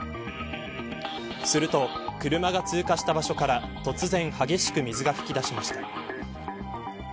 すると車が通過した場所から突然激しく水が噴き出しました。